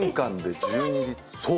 そう。